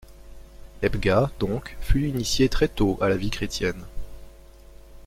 Hebga donc fut initié très tôt à la vie chrétienne.